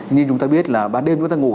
như chúng ta biết là ban đêm chúng ta ngủ